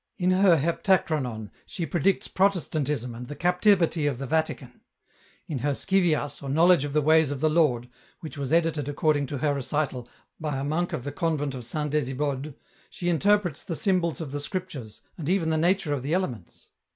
In her ' Heptachronon ' she predicts Protestantism and the captivity of the Vatican ; in her ' Scivias, or Knowledge of the Ways of the Lord,' which was edited, according to her recital, by a monk of the Convent of Saint Ddsibode, she interprets the symbols of the Scrip tures, and even the nature of the elements.